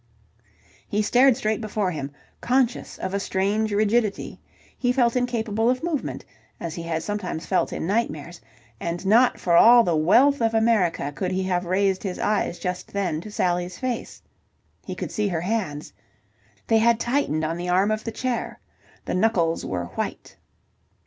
He stared straight before him, conscious of a strange rigidity. He felt incapable of movement, as he had sometimes felt in nightmares; and not for all the wealth of America could he have raised his eyes just then to Sally's face. He could see her hands. They had tightened on the arm of the chair. The knuckles were white.